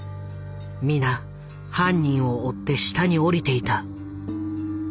皆犯人を追って下に下りていた。